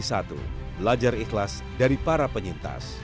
belajar ikhlas dari para penyintas